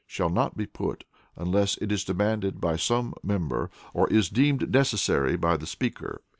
shall not be put unless it is demanded by some member, or is deemed necessary by the Speaker."